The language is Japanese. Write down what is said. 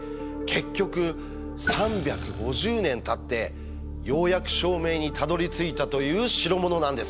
結局３５０年たってようやく証明にたどりついたという代物なんです。